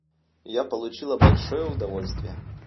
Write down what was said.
Я получила большое удовольствие.